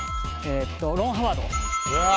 ロン・ハワード。